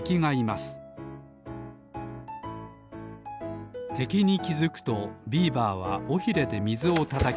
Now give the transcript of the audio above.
すてきにきづくとビーバーはおひれでみずをたたきます。